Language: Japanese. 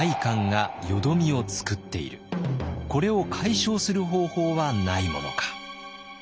これを解消する方法はないものか。